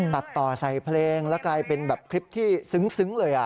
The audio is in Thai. ตัดต่อใส่เพลงแล้วกลายเป็นแบบคลิปที่ซึ้งเลย